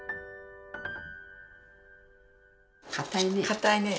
かたいね。